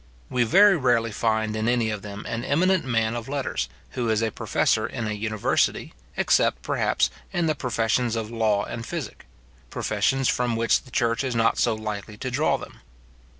We very rarely find in any of them an eminent man of letters, who is a professor in a university, except, perhaps, in the professions of law and physic; professions from which the church is not so likely to draw them.